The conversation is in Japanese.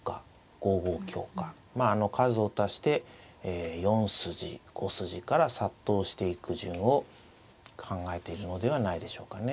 まあ数を足して４筋５筋から殺到していく順を考えているのではないでしょうかね。